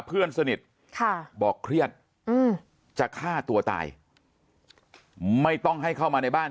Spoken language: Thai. เพื่อนสนิทบอกเครียดจะฆ่าตัวตายไม่ต้องให้เข้ามาในบ้าน